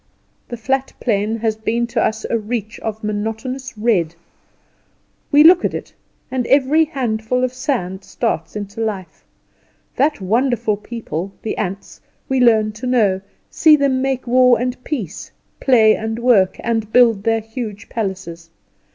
The flat plain has been to us a reach of monotonous red. We look at it, and every handful of sand starts into life. That wonderful people, the ants, we learn to know; see them make war and peace, play and work, and build their huge palaces.